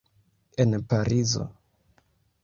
En Parizo.